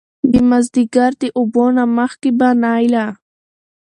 د مازديګر د اوبو نه مخکې به نايله